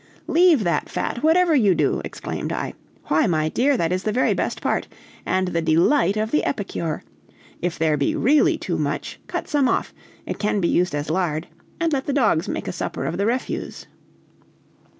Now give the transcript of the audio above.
"Leave that fat, whatever you do!" exclaimed I. "Why, my dear, that is the very best part, and the delight of the epicure. If there be really too much, cut some off it can be used as lard, and let the dogs make a supper of the refuse."